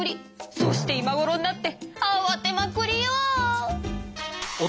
そして今ごろになってあわてまくりよ。